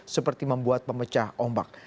seperti membuat pemecah ombak